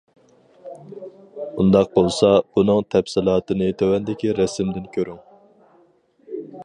ئۇنداق بولسا بۇنىڭ تەپسىلاتىنى تۆۋەندىكى رەسىمدىن كۆرۈڭ.